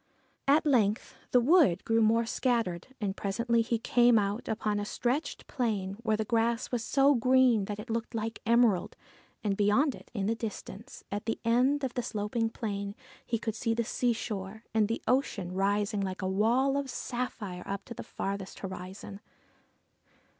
At length the wood grew more scattered, and presently he came out upon a stretch of plain where the grass was so green that it looked like emerald ; and beyond it in the distance, at the end of the sloping plain, he could see the seashore, and the ocean rising like a wall of sapphire up to the farthest horizon.